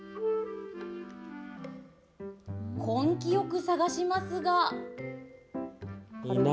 根気よく探しますが。